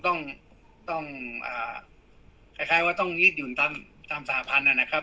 ต้องต้องอ่าคล้ายคล้ายว่าต้องยืดหยุ่นตามตามสหพันธุ์น่ะนะครับ